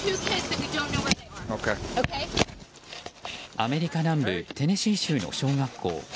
アメリカ南部テネシー州の小学校。